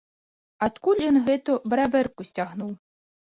Адкуль ён гэту бравэрку сцягнуў?